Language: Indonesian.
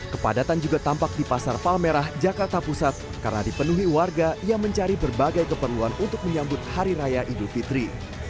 kepadatan juga tampak di pasar palmerah jakarta pusat karena dipenuhi warga yang mencari berbagai keperluan untuk menyambut hari raya idul fitri